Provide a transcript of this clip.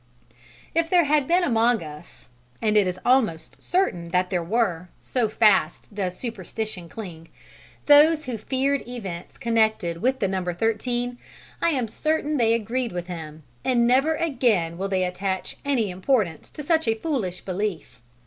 If there had been among us and it is almost certain that there were, so fast does superstition cling those who feared events connected with the number thirteen, I am certain they agreed with him, and never again will they attach any importance to such a foolish belief.